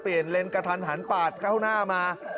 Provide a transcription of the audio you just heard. เปลี่ยนเลนส์กระทันหันปาดเข้าหน้ามา